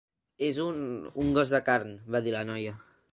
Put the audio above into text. "És un... un gos de carn", va dir la noia.